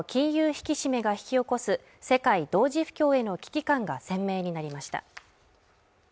引き締めが引き起こす世界同時不況への危機感が鮮明になりました